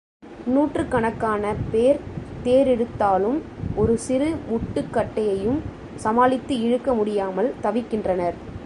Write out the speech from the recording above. நூற்றுக்கணக்கான பேர் தேரிழுத்தாலும் ஒரு சிறு முட்டுக் கட்டையையும் சமாளித்து இழுக்க முடியாமல் தவிக்கின்றனர்.